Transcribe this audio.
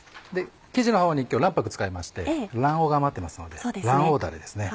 生地の方に今日卵白使いまして卵黄が余ってますので卵黄だれです。